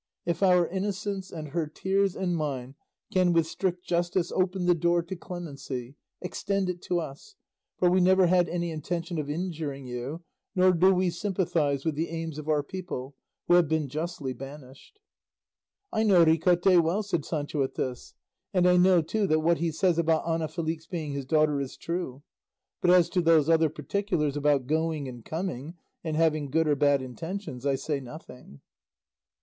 If our innocence and her tears and mine can with strict justice open the door to clemency, extend it to us, for we never had any intention of injuring you, nor do we sympathise with the aims of our people, who have been justly banished." "I know Ricote well," said Sancho at this, "and I know too that what he says about Ana Felix being his daughter is true; but as to those other particulars about going and coming, and having good or bad intentions, I say nothing."